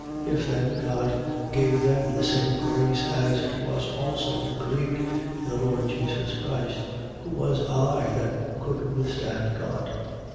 11:17. If then God gave them the same grace as to us also who believed in the Lord Jesus Christ: who was I, that could withstand God?